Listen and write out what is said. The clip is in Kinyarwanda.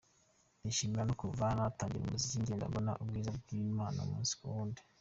Nishimira ko kuva natangira umuziki ngenda mbona ubwiza bw’Imana umunsi ku wundi.